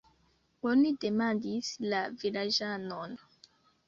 Oni demandis la vilaĝanon.